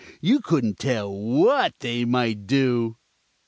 You couldn't tell what they might do!"